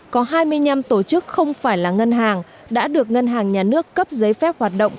có hai mươi năm tổ chức không phải là ngân hàng đã được ngân hàng nhà nước cấp giấy phép hoạt động